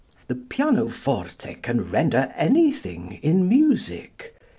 The pianoforte can render anything in music.